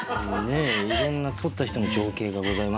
いろんなとった人の情景がございますから。